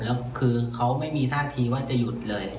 แล้วคือเขาไม่มีท่าทีว่าจะหยุดเลย